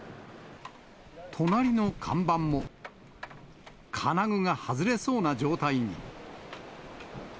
隣の看板も金具が外れそうな状態に。